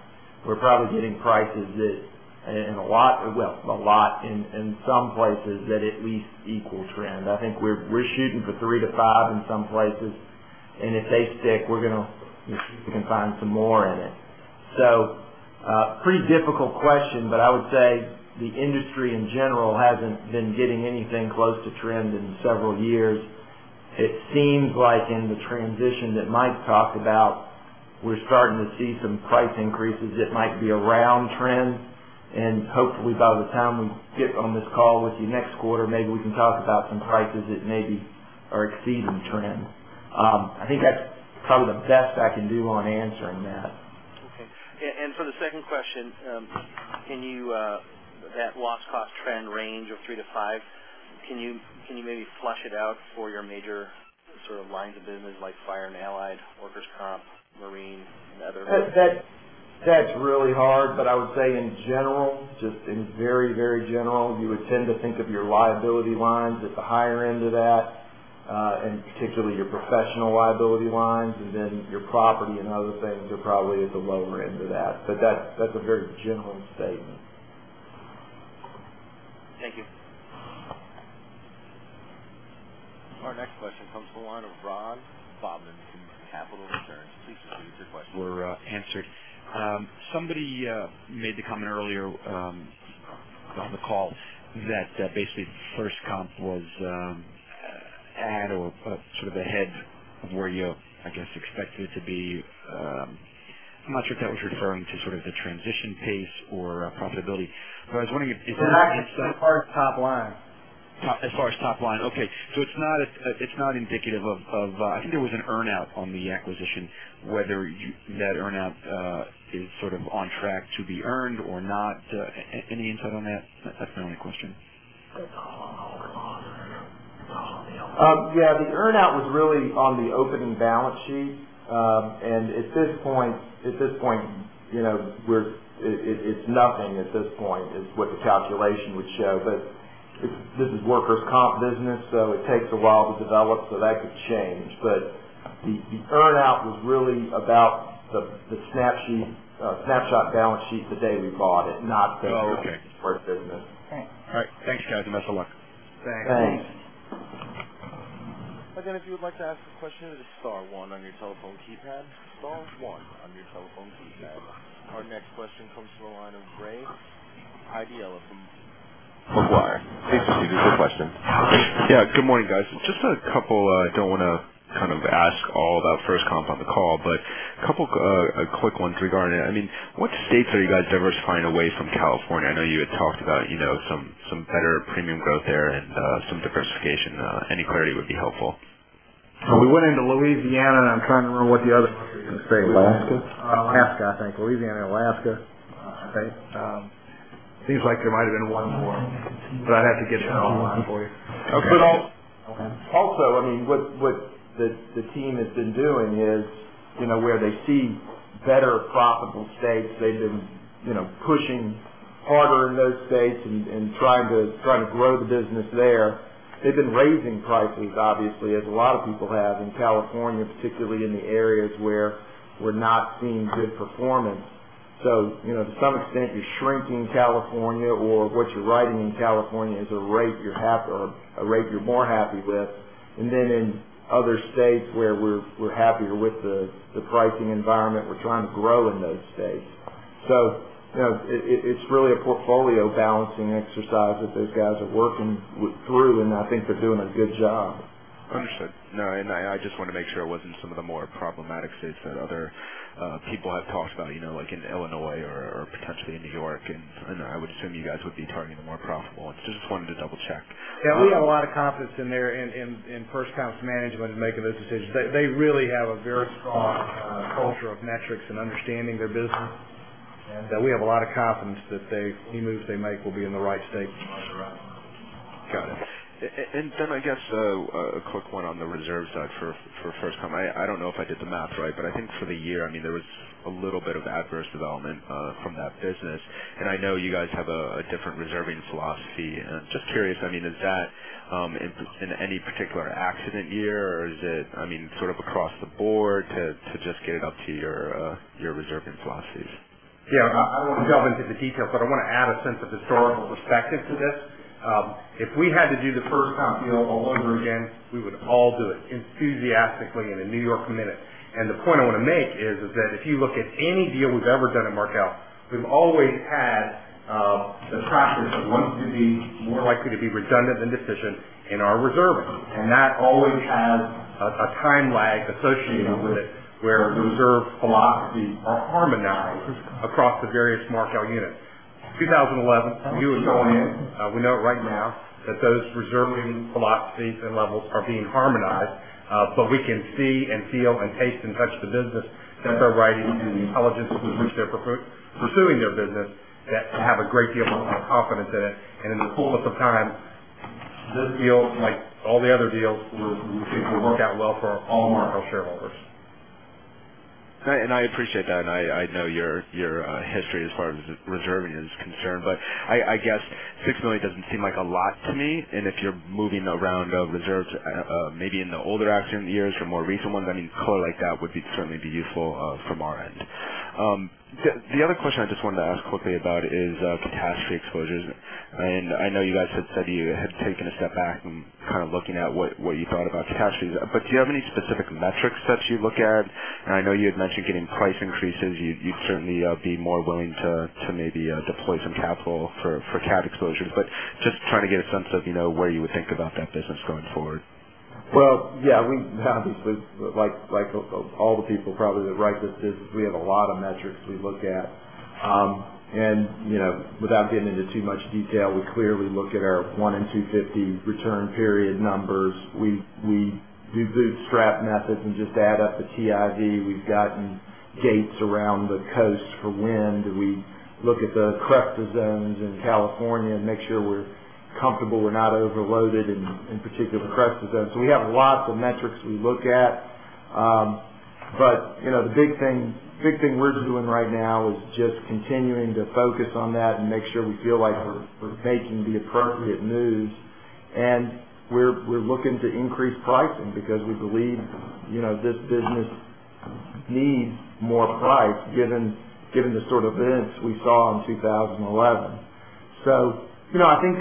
we're probably getting prices that, in a lot, well, a lot in some places, at least equal trend. I think we're shooting for 3%-5% in some places. If they stick, we're going to, if you can find some more in it. A pretty difficult question, but I would say the industry in general hasn't been getting anything close to trend in several years. It seems like in the transition that Mike talked about, we're starting to see some price increases that might be around trend. Hopefully, by the time we get on this call with you next quarter, maybe we can talk about some prices that maybe are exceeding trend. I think that's probably the best I can do on answering that. Okay. For the second question, can you, that loss cost trend range of 3%-5%, can you maybe flush it out for your major sort of lines of business like Fire and Allied, Workers' Comp, Marine, and other? That's really hard, but I would say in general, just in very, very general, you would tend to think of your liability lines at the higher end of that, and particularly your professional liability lines, and then your property and other things are probably at the lower end of that. That's a very general state. Thank you. Our next question comes from the line of Ron Bobman at Capital Returns. Please proceed with your question. For answered. Somebody made the comment earlier on the call that basically FirstComp was at or sort of ahead of where you, I guess, expected it to be. I'm not sure if that was referring to sort of the transition pace or profitability. I was wondering if. It's a hard top line. As far as top line, it's not indicative of, I think there was an earnout on the acquisition, whether that earnout is sort of on track to be earned or not. Any insight on that? That's my only question. Yeah, the earnout was really on the opening balance sheet. At this point, you know, it's nothing at this point is what the calculation would show. This is worker comp business, so it takes a while to develop, so that could change. The earnout was really about the snapshot balance sheet the day we bought it, not the first business. All right. Thanks, guys, and best of luck. Thanks. Again, if you would like to ask a question, just star one on your telephone keypad. Star one on your telephone keypad. Our next question comes from the line of [Ray Ideho from Bookwire]. Please proceed with your question. Good morning, guys. It's just a couple, I don't want to kind of ask all about FirstComp on the call, but a couple of quick ones regarding it. What states are you guys diversifying away from California? I know you had talked about some better premium growth there and some diversification. Any clarity would be helpful. We went into Louisiana, and I'm trying to remember what the other. St. Louis. Louisiana and Alaska. Right. Seems like there might have been one more. I'd have to get that one for you. What the team has been doing is, where they see better profitable states, they've been pushing harder in those states and trying to grow the business there. They've been raising prices, obviously, as a lot of people have in California, particularly in the areas where we're not seeing good performance. To some extent, you're shrinking California or what you're writing in California is a rate you're happy with, a rate you're more happy with. In other states where we're happier with the pricing environment, we're trying to grow in those states. It's really a portfolio balancing exercise that those guys are working through, and I think they're doing a good job. Understood. No, I just want to make sure it wasn't some of the more problematic states that other people have talked about, like in Illinois or potentially in New York. I would assume you guys would be targeting the more profitable. I just wanted to double-check. Yeah, we have a lot of confidence in their and FirstComp's management in making those decisions. They really have a very strong culture of metrics and understanding their business. We have a lot of confidence that any moves they make will be in the right states. Got it. I guess a quick one on the reserves side for FirstComp. I don't know if I did the math right, but I think for the year, there was a little bit of adverse development from that business. I know you guys have a different reserving philosophy. Just curious, is that in any particular accident year, or is it sort of across the board to just get it up to your reserving philosophies? I don't want to go into the details, but I want to add a sense of historical perspective to this. If we had to do the FirstComp deal all over again, we would all do it enthusiastically in a New York minute. The point I want to make is that if you look at any deal we've ever done at Markel, we've always had the process of going to be more likely to be redundant than deficient in our reserving. That always has a time lag associated with it where the reserve philosophies are harmonized across the various Markel units. In 2011, a few years ago, we know right now that those reserving philosophies and levels are being harmonized. We can see and feel and taste and touch the business, the underwriting, the intelligence with which they're pursuing their business, that have a great deal of confidence in it. In the coolest of times, this deal, like all the other deals, will work out well for all Markel shareholders. I appreciate that. I know your history as far as reserving is concerned. I guess $6 million doesn't seem like a lot to me. If you're moving around reserves maybe in the older action years or more recent ones, a color like that would certainly be useful from our end. The other question I just wanted to ask quickly about is the catastrophe exposures. I know you guys had taken a step back and kind of looking at what you thought about catastrophes. Do you have any specific metrics that you look at? I know you had mentioned getting price increases. You'd certainly be more willing to maybe deploy some capital for cat exposures. Just trying to get a sense of where you would think about that business going forward. We have this, like all the people probably that write this business, we have a lot of metrics we look at. You know, without getting into too much detail, we clearly look at our 1-in-250 return period numbers. We do bootstrap methods and just add up the TIV. We've gotten gates around the coast for wind. We look at the seismic zones in California and make sure we're comfortable, we're not overloaded in particular seismic zones. We have lots of metrics we look at. The big thing we're doing right now is just continuing to focus on that and make sure we feel like we're making the appropriate moves. We're looking to increase pricing because we believe this business needs more price given the sort of events we saw in 2011. I think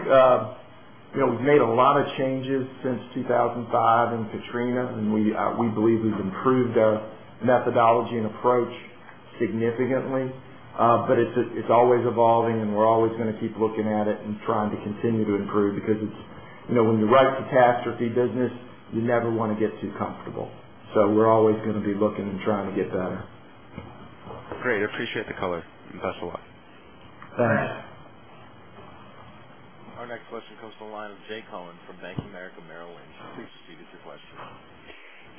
we've made a lot of changes since 2005 in Katrina, and we believe we've improved our methodology and approach significantly. It's always evolving, and we're always going to keep looking at it and trying to continue to improve because when you write a catastrophe business, you never want to get too comfortable. We're always going to be looking and trying to get better. Great. I appreciate the color. Best of luck. Thanks. Our next question comes from a line of Jay Collins from Bank of America Merrill Lynch. Please proceed with your question.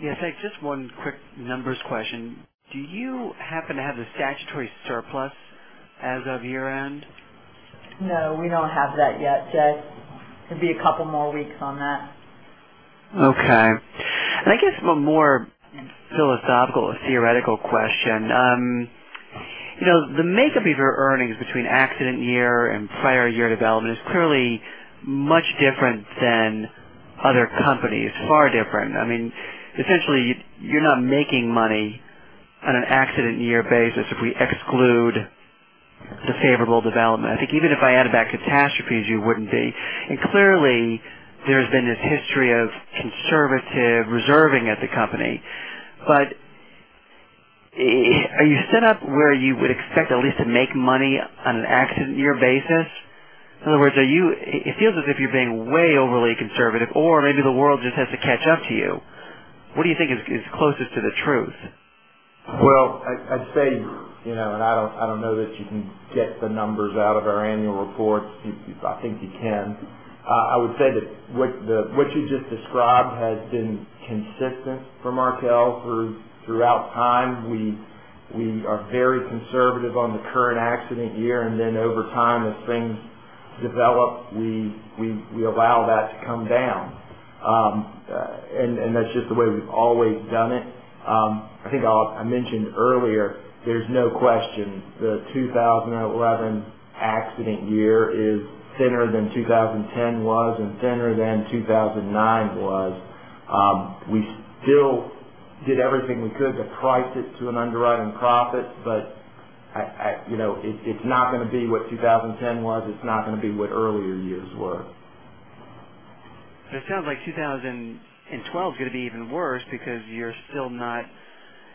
Yes, just one quick numbers question. Do you happen to have the statutory surplus as of year-end? No, we don't have that yet, sir. It'd be a couple more weeks on that. Okay. I guess a more philosophical or theoretical question. The makeup of your earnings between accident year and prior-year development is clearly much different than other companies, far different. Essentially, you're not making money on an accident-year basis if we exclude the favorable development. I think even if I added back catastrophes, you wouldn't be. There has been this history of conservative reserving at the company. Are you set up where you would expect at least to make money on an accident-year basis? In other words, it feels as if you're being way overly conservative, or maybe the world just has to catch up to you. What do you think is closest to the truth? I’d say, you know, I don't know that you can get the numbers out of our annual reports. I think you can. I would say that what you just described has been consistent for Markel throughout time. We are very conservative on the current accident year, and then over time, as things develop, we allow that to come down. That's just the way we've always done it. I think I mentioned earlier, there's no question, the 2011 accident year is thinner than 2010 was and thinner than 2009 was. We still did everything we could to price it to an underwriting profit, but it's not going to be what 2010 was. It's not going to be what earlier years were. It sounds like 2012 is going to be even worse because you're still not,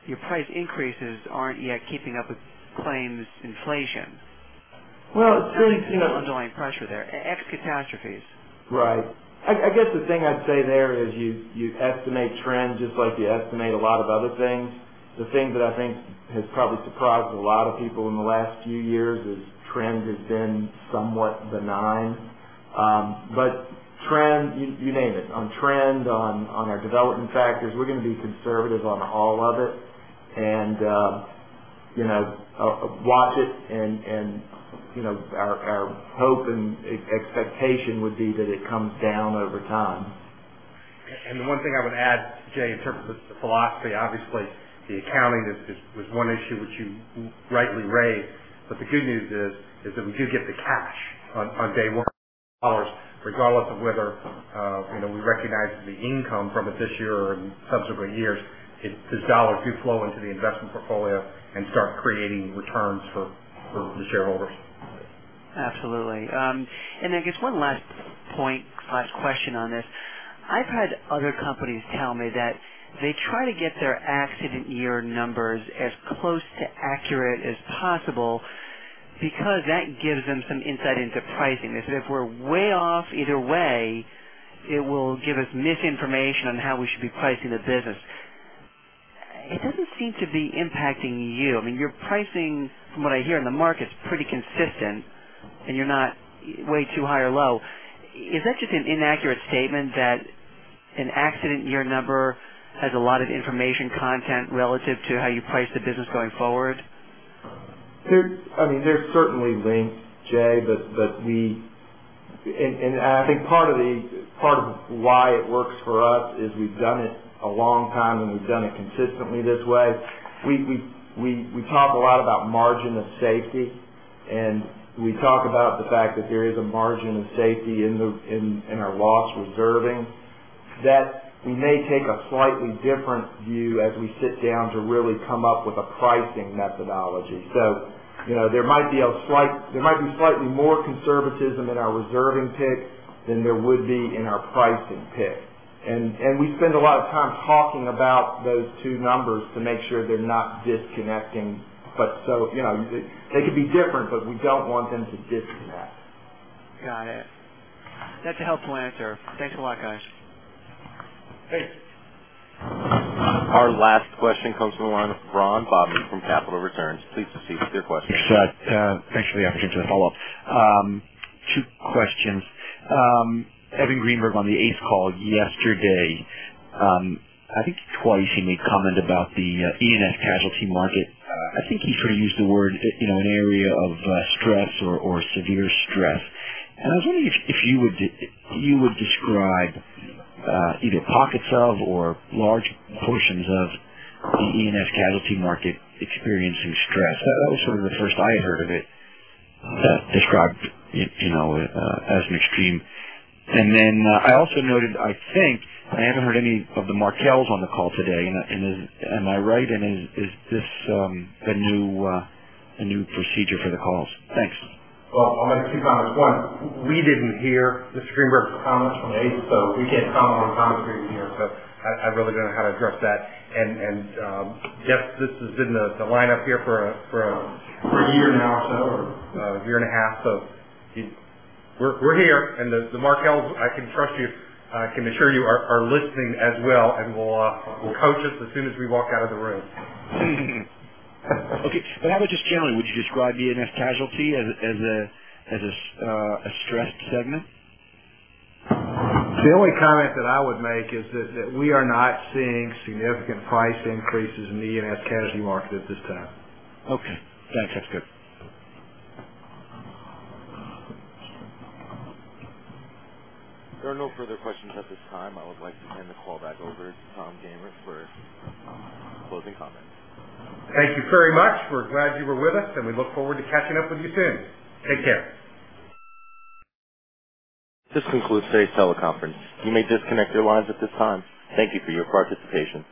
your price increases aren't yet keeping up with claims inflation. It's really, you know. Underlying pressure there. That's catastrophe losses. Right. I guess the thing I'd say there is you estimate trend just like you estimate a lot of other things. The thing that I think has probably surprised a lot of people in the last few years is trend has been somewhat benign. Trend, you name it, on trend, on our development factors, we're going to be conservative on all other. You know, watch it, and our hope and expectation would be that it comes down over time. One thing I would add, Jay, in terms of the philosophy, obviously, the accounting was one issue which you rightly raised. The good news is that we do get the cash on day one, regardless of whether we recognize the income from it this year or in subsequent years. These dollars do flow into the investment portfolio and start creating returns for the shareholders. Absolutely. I guess one last 0.5 question on this. I've had other companies tell me that they try to get their accident year numbers as close to accurate as possible because that gives them some insight into pricing. If we're way off either way, it will give us misinformation on how we should be pricing the business. It doesn't seem to be impacting you. I mean, your pricing, from what I hear in the market, is pretty consistent, and you're not way too high or low. Is that just an inaccurate statement that an accident year number has a lot of information content relative to how you price the business going forward? I mean, they're certainly linked, Jay, and I think part of why it works for us is we've done it a long time, and we've done it consistently this way. We talk a lot about margin of safety, and we talk about the fact that there is a margin of safety in our loss reserving that may take a slightly different view as we sit down to really come up with a pricing methodology. There might be slightly more conservatism in our reserving pit than there would be in our pricing pit. We spend a lot of time talking about those two numbers to make sure they're not disconnecting. They could be different, but we don't want them to disconnect. Got it. That's a helpful answer. Thanks a lot, guys. Our last question comes from a line of Ron Bobman from Capital Returns. Please proceed with your question. Sure. Thanks for the opportunity to follow up. Two questions. Evan Greenberg on the ACE call yesterday, I think twice he made comment about the E&S casualty market. I think you heard he used the word, you know, an area of stress or severe stress. I was wondering if you would describe either pockets of or large portions of the E&S casualty market experiencing stress. That was sort of the first I had heard of it described as an extreme. I also noted, I think, but I haven't heard any of the Markels on the call today. Am I right? I mean, is this a new procedure for the calls? Thanks. I'll make a two-time at this point. We didn't hear Mr. Greenberg comments from ACE, so he can't comment on the comments we didn't hear. I really don't know how to address that. Jeff, this has been the lineup here for a year now, so a year and a half. We're here, and the Markels, I can trust you, I can assure you are listening as well, and will coach us as soon as we walk out of the room. Okay, how about just generally, would you describe E&S casualty as a stressed segment? The only comment that I would make is that we are not seeing significant price increases in the E&S casualty market at this time. Okay, thanks. That's good. There are no further questions at this time. I would like to hand the call back over to Tom Gayner for closing comments. Thank you very much. We're glad you were with us, and we look forward to catching up with you soon. Take care. This concludes today's teleconference. You may disconnect your lines at this time. Thank you for your participation.